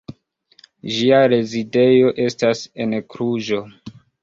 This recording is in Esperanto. Ĝia rezidejo estas en Kluĵo.